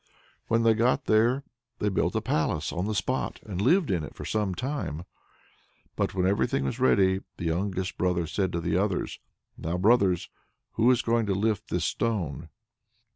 When they got there, they built a palace on the spot, and lived in it for some time. But when everything was ready, the youngest brother said to the others: "Now, brothers, who is going to lift this stone?"